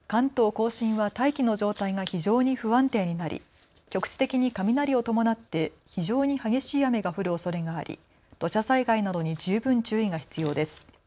甲信は大気の状態が非常に不安定になり局地的に雷を伴って非常に激しい雨が降るおそれがあり土砂災害などに十分注意が必要です。